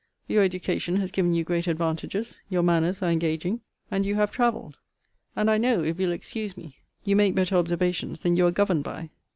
Your education has given you great advantages; your manners are engaging, and you have travelled; and I know, if you'll excuse me, you make better observations than you are governed by.